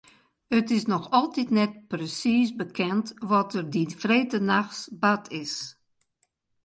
It is noch altyd net presiis bekend wat der dy freedtenachts bard is.